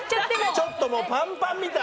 ちょっともうパンパンみたい。